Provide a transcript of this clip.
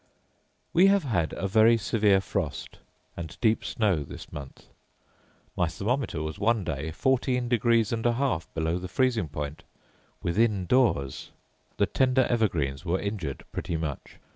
We have had a very severe frost and deep snow this month. My thermometer was one day fourteen degrees and a half below the freezing point, within doors. The tender evergreens were injured pretty much.